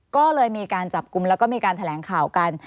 ก็เลยมีการจับกลุ่มแล้วก็มีการแถลงข่าวกัน